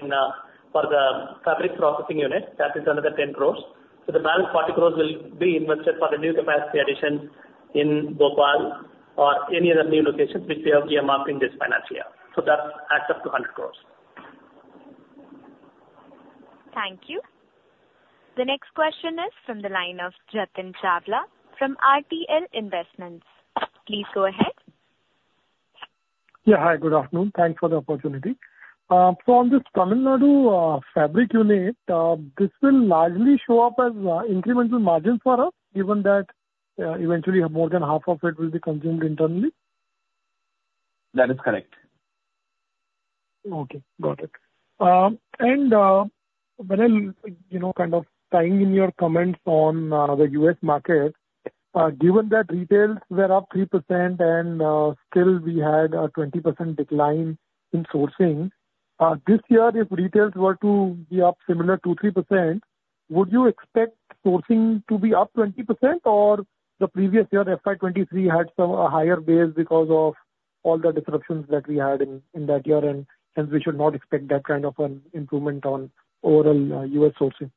for the fabric processing unit. That is another 10 crore. So the balance 40 crore will be invested for the new capacity additions in Bhopal or any other new locations, which we are making this financial year. So that adds up to 100 crore. Thank you. The next question is from the line of Jatin Chawla from RTL Investments. Please go ahead. Yeah. Hi. Good afternoon. Thanks for the opportunity. So on this Tamil Nadu fabric unit, this will largely show up as incremental margins for us given that eventually, more than half of it will be consumed internally? That is correct. Okay. Got it. And when I'm kind of tying in your comments on the U.S. market, given that retails were up 3% and still we had a 20% decline in sourcing this year, if retails were to be up similar to 3%, would you expect sourcing to be up 20% or the previous year, FY 2023, had some higher base because of all the disruptions that we had in that year? And hence, we should not expect that kind of an improvement on overall U.S. sourcing?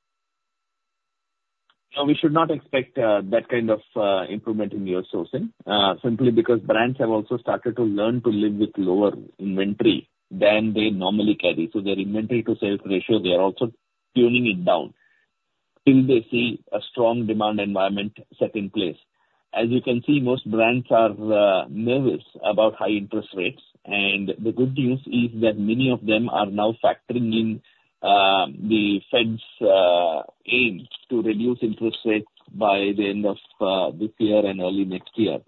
No, we should not expect that kind of improvement in U.S. sourcing simply because brands have also started to learn to live with lower inventory than they normally carry. So their inventory-to-sales ratio, they are also tuning it down till they see a strong demand environment set in place. As you can see, most brands are nervous about high interest rates. And the good news is that many of them are now factoring in the Fed's aim to reduce interest rates by the end of this year and early next year.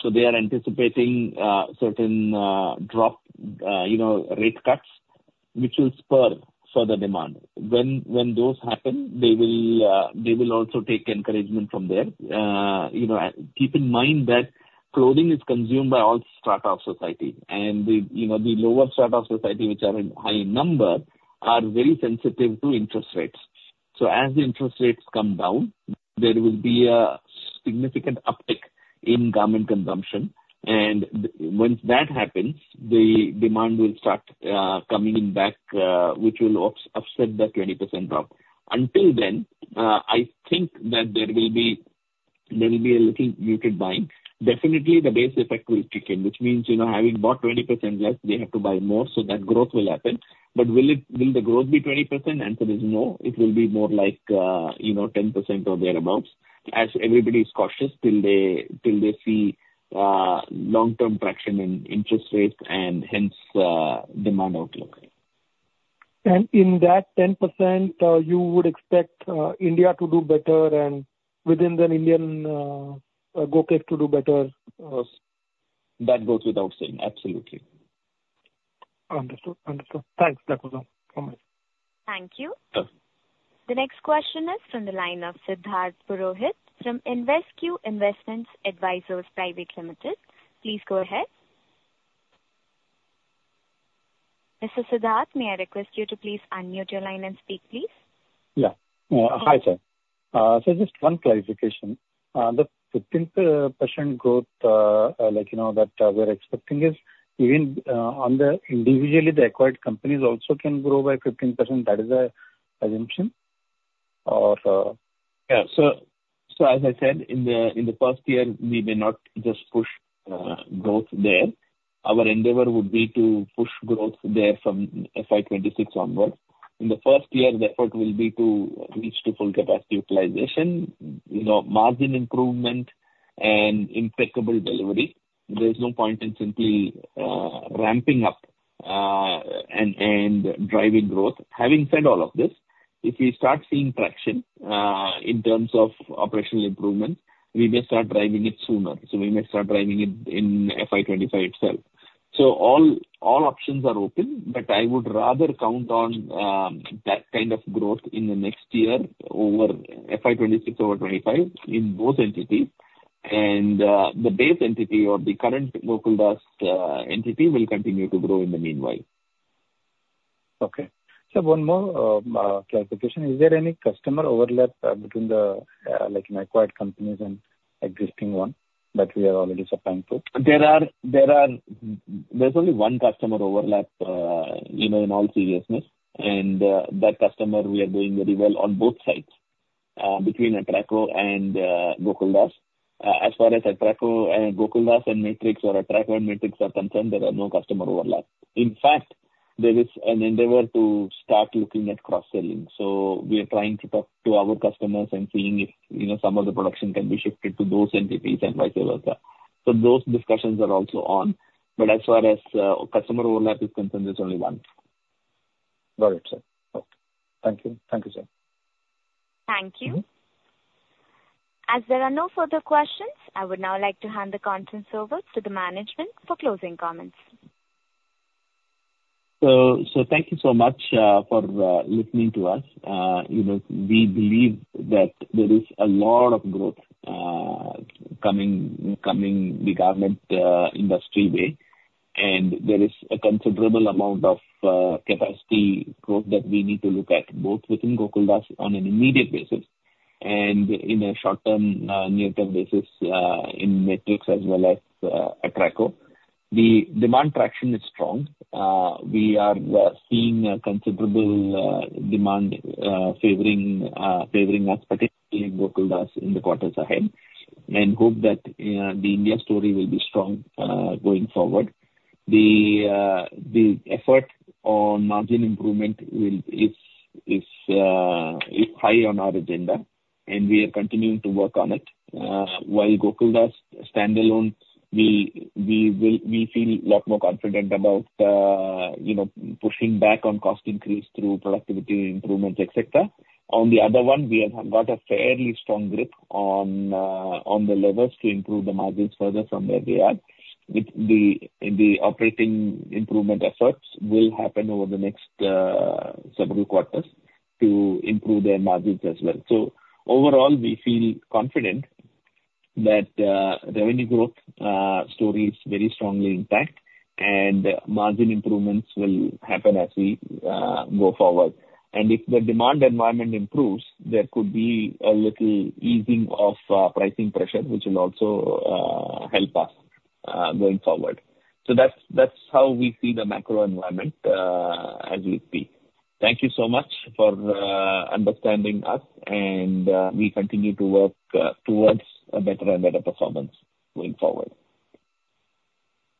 So they are anticipating certain rate cuts, which will spur further demand. When those happen, they will also take encouragement from there. Keep in mind that clothing is consumed by all strata of society. And the lower strata of society, which are in high number, are very sensitive to interest rates. So as the interest rates come down, there will be a significant uptick in garment consumption. And once that happens, the demand will start coming back, which will offset that 20% drop. Until then, I think that there will be a little muted buying. Definitely, the base effect will kick in, which means having bought 20% less, they have to buy more. So that growth will happen. But will the growth be 20%? Answer is no. It will be more like 10% or thereabouts as everybody is cautious till they see long-term traction in interest rates and hence demand outlook. In that 10%, you would expect India to do better and within the Indian Gokaldas to do better? That goes without saying. Absolutely. Understood. Understood. Thanks, Mr. Siva, so much. Thank you. The next question is from the line of Siddharth Purohit from InvesQ Investment Advisors Private Limited. Please go ahead. Mr. Siddharth, may I request you to please unmute your line and speak, please? Yeah. Hi, sir. So just one clarification. The 15% growth that we are expecting is even on the individually, the acquired companies also can grow by 15%. That is the assumption, or? Yeah. So, as I said, in the first year, we may not just push growth there. Our endeavor would be to push growth there from FY 2026 onwards. In the first year, the effort will be to reach full capacity utilization, margin improvement, and impeccable delivery. There's no point in simply ramping up and driving growth. Having said all of this, if we start seeing traction in terms of operational improvements, we may start driving it sooner. So we may start driving it in FY 2025 itself. So all options are open, but I would rather count on that kind of growth in the next year over FY 2026 over FY 2025 in both entities. And the base entity or the current Gokaldas entity will continue to grow in the meanwhile. Okay. Sir, one more clarification. Is there any customer overlap between the acquired companies and existing one that we are already supplying to? There's only one customer overlap in all seriousness. And that customer, we are doing very well on both sides between Atraco and Gokaldas. As far as Atraco and Gokaldas and Matrix or Atraco and Matrix are concerned, there are no customer overlap. In fact, there is an endeavor to start looking at cross-selling. So we are trying to talk to our customers and seeing if some of the production can be shifted to those entities and vice versa. So those discussions are also on. But as far as customer overlap is concerned, there's only one. Got it, sir. Okay. Thank you. Thank you, sir. Thank you. As there are no further questions, I would now like to hand the conference over to the management for closing comments. So thank you so much for listening to us. We believe that there is a lot of growth coming the garment industry way. There is a considerable amount of capacity growth that we need to look at both within Gokaldas on an immediate basis and in a short-term, near-term basis in Matrix as well as Atraco. The demand traction is strong. We are seeing considerable demand favoring us, particularly Gokaldas, in the quarters ahead. We hope that the India story will be strong going forward. The effort on margin improvement is high on our agenda, and we are continuing to work on it. While Gokaldas standalone, we feel a lot more confident about pushing back on cost increase through productivity improvements, etc. On the other one, we have got a fairly strong grip on the levers to improve the margins further from where they are. The operating improvement efforts will happen over the next several quarters to improve their margins as well. So overall, we feel confident that revenue growth story is very strongly intact, and margin improvements will happen as we go forward. And if the demand environment improves, there could be a little easing of pricing pressure, which will also help us going forward. So that's how we see the macro environment as we speak. Thank you so much for understanding us, and we continue to work towards a better and better performance going forward.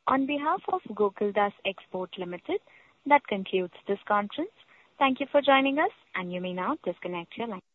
On behalf of Gokaldas Exports Limited, that concludes this conference. Thank you for joining us, and you may now disconnect your line.